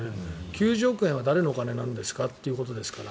９０億円は誰のお金ですかということですから。